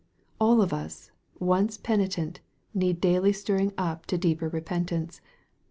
All of us, once penitent, need daily stirring up to deeper repentance.